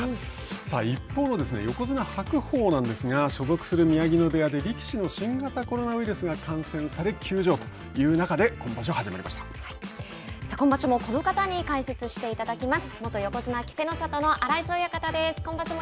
さあ一方の横綱・白鵬なんですが所属する宮城野部屋で力士の新型コロナウイルスが感染され休場という中でさあ、今場所もこの方に解説していただきます。